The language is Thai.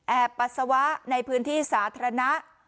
ปัสสาวะในพื้นที่สาธารณะ